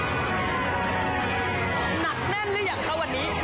ของท่านได้เสด็จเข้ามาอยู่ในความทรงจำของคน๖๗๐ล้านคนค่ะทุกท่าน